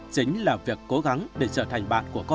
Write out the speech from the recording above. chính là việc cố gắng để trở thành bạn của con